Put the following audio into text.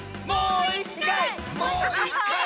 もういっかい！